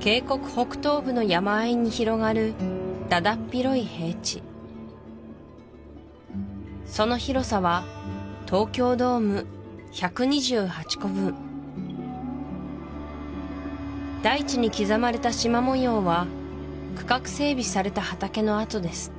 渓谷北東部の山あいに広がるだだっ広い平地その広さは東京ドーム１２８個分大地に刻まれた縞模様は区画整備された畑の跡です